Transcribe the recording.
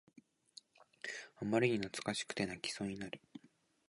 あまりに懐かしくて泣きそうになる